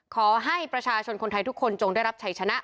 ขอให้ประชาชนคนไทยทุกคนจงได้รับชัยชนะ